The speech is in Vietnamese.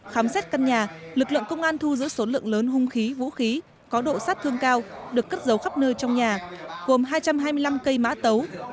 khám xét căn nhà lực lượng công an thu giữ số lượng lớn hung khí vũ khí có độ sát thương cao được cất giấu khắp nơi trong nhà gồm hai trăm hai mươi năm cây mã tấu